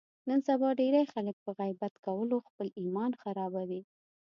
نن سبا ډېری خلک په غیبت کولو خپل ایمان خرابوي.